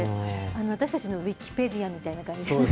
私たちのウィキペディアみたいな感じです。